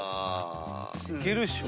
いけるっしょ。